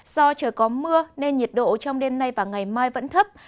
do trời có mưa nên nhiệt độ trong đêm nay và ngày mai vẫn thấp